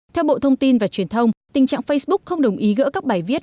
theo bộ thông tin và truyền thông tình trạng facebook không đồng ý gỡ các bài viết